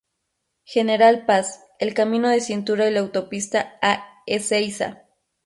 General Paz, el Camino de Cintura y la Autopista a Ezeiza.